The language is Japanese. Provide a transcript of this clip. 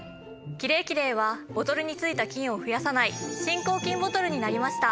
キレイキレイはボトルについた菌を増やさない新抗菌ボトルになりました。